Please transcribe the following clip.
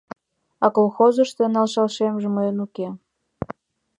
А колхозышто налшашемже мыйын уке.